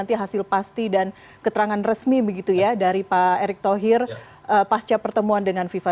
nanti hasil pasti dan keterangan resmi begitu ya dari pak erick thohir pasca pertemuan dengan fifa